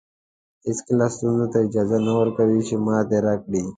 هېڅکله ستونزو ته اجازه نه ورکوو چې ماتې راکړي.